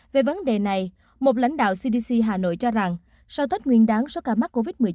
về vấn đề này một lãnh đạo cdc hà nội cho rằng sau test nguyên đáng so với ca mắc covid một mươi chín